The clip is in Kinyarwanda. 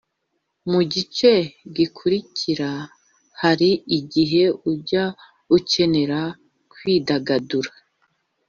mu gice gikurikira hari igihe ujya ukenera kwidagadura